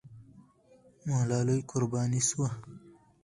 ملالۍ قرباني سوه.